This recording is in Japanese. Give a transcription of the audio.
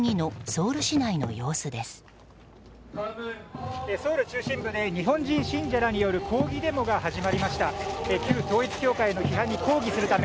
ソウル中心部で日本人信者らによる抗議デモが始まりました。